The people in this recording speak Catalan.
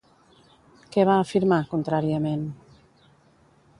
Què va afirmar, contràriament?